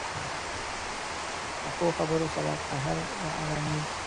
پخو خبرو سره قهر ارامېږي